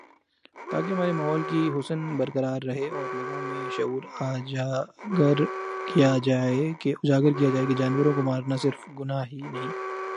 تاکہ ہمارے ماحول کی حسن برقرار رہے اور لوگوں میں شعور اجاگر کیا جائے کہ جانوروں کو مار نا صرف گناہ ہی نہیں